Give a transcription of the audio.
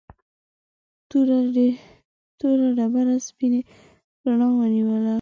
توره ډبره سپینې رڼا ونیوله.